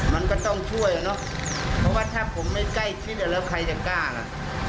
มันก็ต้องช่วยอ่ะเนอะเพราะว่าถ้าผมไม่ใกล้ชิดแล้วใครจะกล้าล่ะ